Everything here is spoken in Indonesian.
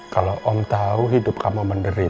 kalau om tahu hidup kamu menderita